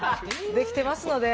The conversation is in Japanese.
できてますので。